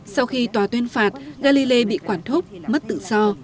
sau khi tòa tuyên phạt galilei bị quản thúc mất tự do